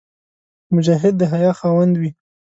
مجاهد د حیا خاوند وي.